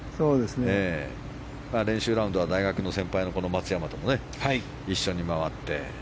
練習ラウンドは大学の先輩の松山と一緒に回って。